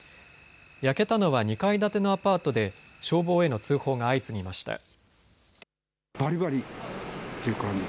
焼けたのは２階建てのアパートで消防への通報が相次ぎました。